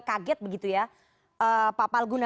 kaget begitu ya pak palguna